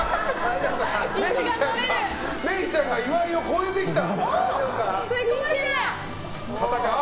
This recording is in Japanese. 愛以ちゃんが岩井を超えてきた。